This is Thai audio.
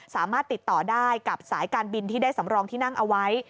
สามารถติดต่อได้กับสายการบินที่ได้สำรองที่นั่งเอาไว้